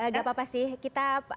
gak apa apa sih kita